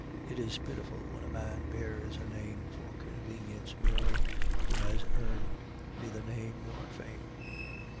It is pitiful when a man bears a name for convenience merely, who has earned neither name nor fame.